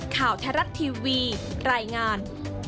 ข่าวไทยรัฐทีวีรายงาน